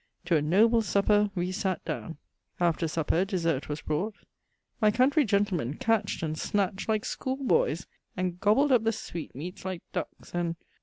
To a noble supper we sate downe. After supper desert was brought. My country gentlemen catcht and snatchd like schoolboies and gobbt up the sweetmeats like ducks, and....